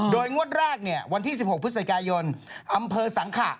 โดยงวดแรกวันที่๑๖พฤศจิกายนอำเภอสังขะ